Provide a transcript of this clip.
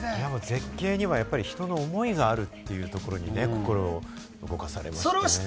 絶景には人の思いがあるというところにね、心を動かされますよね。